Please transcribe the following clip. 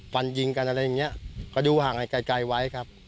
ฟันยิงกันอะไรอย่างนี้ก็ดูห่างไกลไว้ครับ